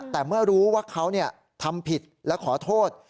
แต่เมื่อรู้ว่าเขาทำผิดและขอโทษ